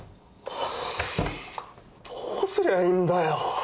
どうすりゃいいんだよ。